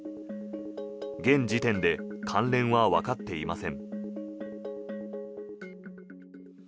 現時点で関連はわかっていません。